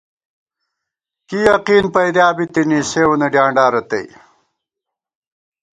کی یقین پَئیدِیا بِتِنی ، سیوں وَنہ ڈیانڈا رتئ